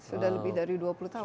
sudah lebih dari dua puluh tahun